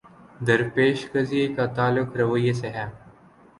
درپیش قضیے کا تعلق رویے سے ہے۔